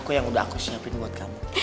aku yang udah aku siapin buat kamu